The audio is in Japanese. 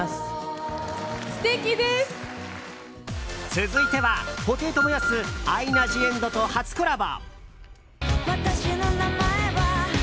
続いては、布袋寅泰アイナ・ジ・エンドと初コラボ！